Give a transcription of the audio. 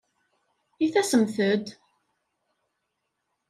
I tasemt-d?